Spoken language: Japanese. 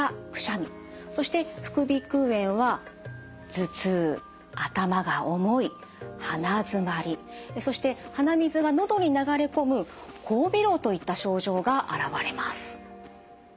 そして副鼻腔炎は頭痛頭が重い鼻づまりそして鼻水が喉に流れ込む後鼻漏といった症状が現れます。